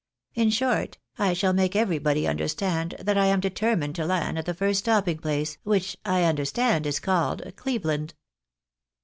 In short, I shall make everybody understand that I am determined to land at the first stopping place, wliich I understand is called Cleveland."